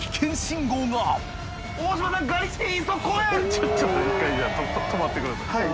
ちょっと１回じゃあ止まってください。